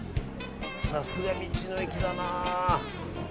さすが道の駅だな。